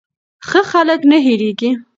ښه خلک نه هېریږي.